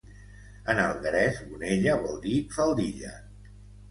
En alguerès gonella vol dir faldilla.